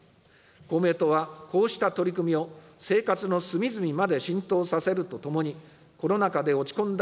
公明党はこうした取り組みを、生活の隅々まで浸透させるとともに、コロナ禍で落ち込んだ